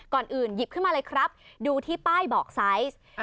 ก่อนอื่นหยิบขึ้นมาเลยครับดูที่ป้ายบอกไซส์